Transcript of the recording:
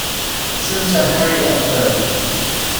Senator Harry F. Byrd.